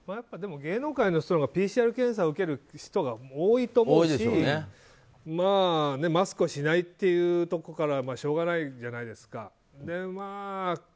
芸能界の人は、ＰＣＲ検査を受ける人が多いと思うしマスクをしないというところからしょうがないじゃないですか。